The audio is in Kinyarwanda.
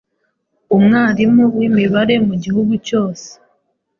Umwarimu w'imibare mugihugu cyose